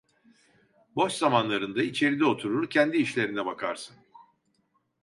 Boş zamanlarında içeride oturur, kendi işlerine bakarsın…